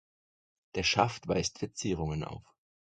Der Schaft weist Verzierungen auf.